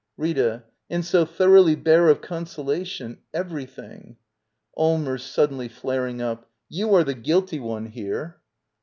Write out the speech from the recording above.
Rita. . And so thoroughly bare of consolation — everything! Allmers. [Suddenly flaring up.] You are the guilty one here.